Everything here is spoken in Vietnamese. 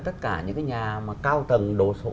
tất cả những cái nhà mà cao tầng đồ sổ